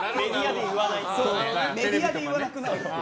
メディアで言わなくなる。